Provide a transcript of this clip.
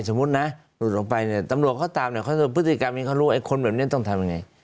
แต่ตำรวจเขาตามเนี่ยพฤติกรรมนี้เขารู้ว่าไอ้คนแบบนี้ต้องทำยังไง